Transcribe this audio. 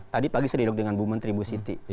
tadi pagi sediduk dengan bumt siti